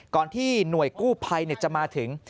ที่หน่วยกู้ภัยจะมาถึง